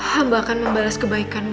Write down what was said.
hamba akan membalas kebaikanmu